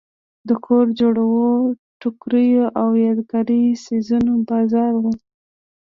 د کور جوړو ټوکریو او یادګاري څیزونو بازار و.